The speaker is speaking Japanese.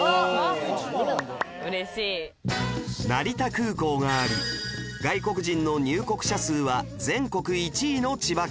成田空港があり外国人の入国者数は全国１位の千葉県